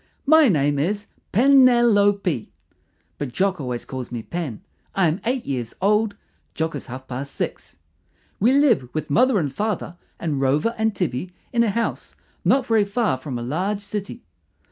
My name is PE NEL O PE, but Jock always calls me Pen. I am eight years old; Jock is half past six. We live with mother and father and Rover and Tibby in a house not very far from a large city.